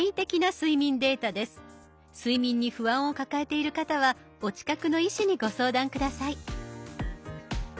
睡眠に不安を抱えている方はお近くの医師にご相談下さい。